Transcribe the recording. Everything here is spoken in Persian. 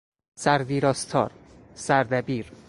سر ویراستار، سردبیر